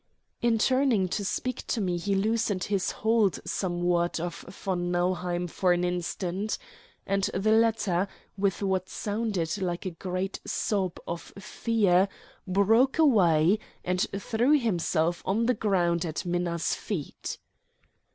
In turning to speak to me he loosened his hold somewhat of von Nauheim for an instant, and the latter, with what sounded like a great sob of fear, broke away, and threw himself on the ground at Minna's feet.